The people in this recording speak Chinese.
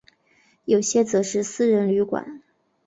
有些则是私人旅馆。